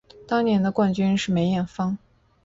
当年的冠军是梅艳芳。